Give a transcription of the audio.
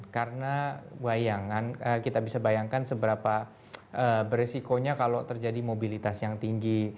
karena bayangan kita bisa bayangkan seberapa beresikonya kalau terjadi mobilitas yang tinggi